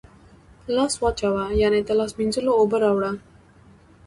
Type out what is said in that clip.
لاس واچوه ، یعنی د لاس مینځلو اوبه راوړه